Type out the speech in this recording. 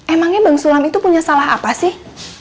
emangnya bang sulam itu punya salah apa sih